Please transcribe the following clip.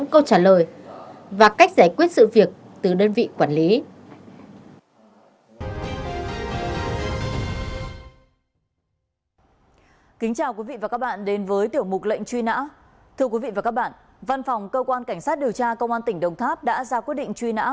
những câu trả lời và cách giải quyết sự việc từ đơn vị quản lý